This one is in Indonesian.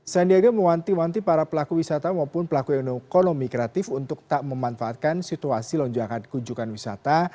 sandiaga mewanti wanti para pelaku wisata maupun pelaku ekonomi kreatif untuk tak memanfaatkan situasi lonjakan kunjungan wisata